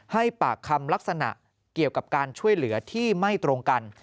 ให้ปากคำลักษณะเกี่ยวกับการช่วยเหลือที่ไม่ตรงกัน